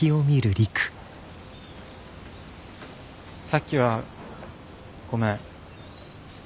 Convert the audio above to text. さっきはごめん。